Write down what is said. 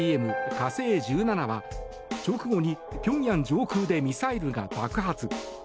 「火星１７」は直後にピョンヤン上空でミサイルが爆発。